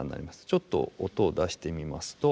ちょっと音を出してみますと。